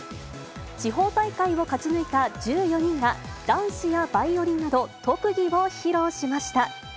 地方大会を勝ち抜いた１４人が、ダンスやバイオリンなど特技を披露しました。